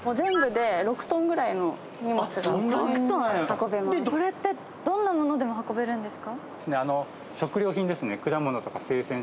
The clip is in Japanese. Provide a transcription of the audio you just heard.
これってどんなものでも運べるんですか？